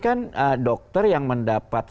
kan dokter yang mendapat